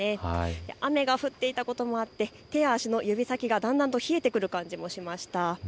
雨が降っていたこともあって手や足の指先がだんだんと冷えてくる感じもしました。